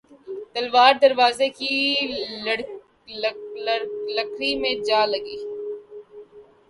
تلوار دروازے کی لکڑی میں جا لگی